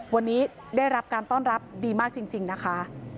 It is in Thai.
วันนี้ได้รับการต้อนรับดีมากจริงนะคะ